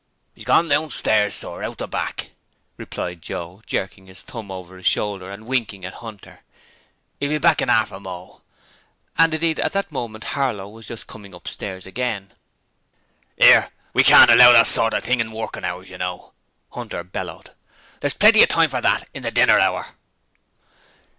''E's gorn downstairs, sir, out the back,' replied Joe, jerking his thumb over his shoulder and winking at Hunter. ''E'll be back in 'arf a mo.' And indeed at that moment Harlow was just coming upstairs again. ''Ere, we can't allow this kind of thing in workin' hours, you know.' Hunter bellowed. 'There's plenty of time for that in the dinner hour!'